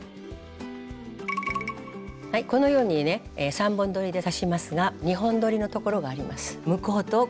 このようにね３本どりで刺しますが２本どりのところがあります。